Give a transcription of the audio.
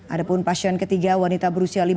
ada pun pasien ketiga wanita berusia lima puluh lima tahun